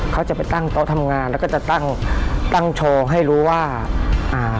เขาจะไปตั้งโต๊ะทำงานแล้วก็จะตั้งตั้งโชว์ให้รู้ว่าอ่า